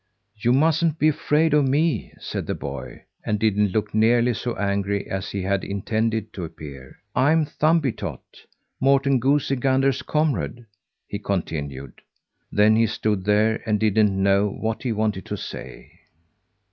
"You mustn't be afraid of me," said the boy, and didn't look nearly so angry as he had intended to appear. "I'm Thumbietot, Morten Goosey gander's comrade," he continued. Then he stood there, and didn't know what he wanted to say.